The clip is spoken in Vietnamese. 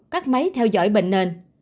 sáu các máy theo dõi bệnh nền